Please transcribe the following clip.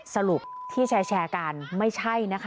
สรุปที่แชร์กันไม่ใช่นะคะ